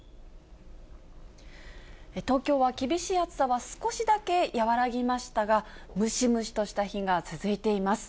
東京は厳しい暑さは少しだけ和らぎましたが、ムシムシとした日が続いています。